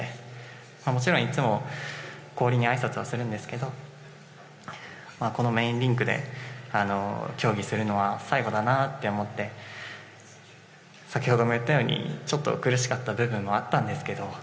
もちろん、いつも氷にあいさつはするんですけどこのメインリンクで競技するのは最後だなって思って先ほども言ったようにちょっと苦しかった部分もあったんですけど